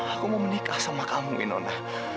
aku mau menikah sama kamu inona